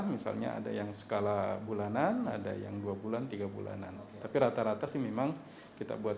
misalnya ada yang skala bulanan ada yang dua bulan tiga bulanan tapi rata rata sih memang kita buat